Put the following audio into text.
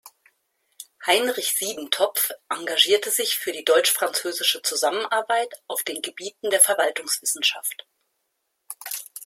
Heinrich Siedentopf engagierte sich für die deutsch-französische Zusammenarbeit auf den Gebieten der Verwaltungswissenschaft.